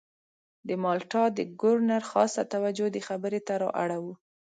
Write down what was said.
د مالټا د ګورنر خاصه توجه دې خبرې ته را اړوو.